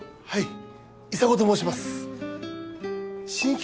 はい？